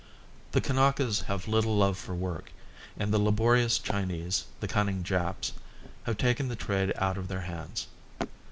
The Kanakas have little love for work, and the laborious Chinese, the cunning Japs, have taken the trade out of their hands.